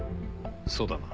そうだな？